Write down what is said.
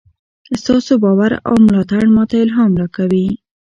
ستاسو باور او ملاتړ ماته الهام راکوي.